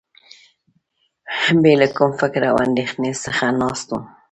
بې له کوم فکر او اندېښنې څخه ناست وم.